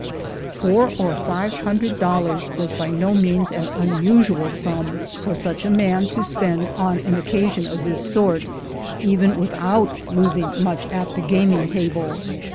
Four or five hundred dollars was by no means an unusual sum for such a 190 THE GOLD HUNTERS man to spend on an occasion of this sort, even with out losing much at the gaming table.